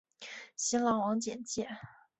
新浪网简介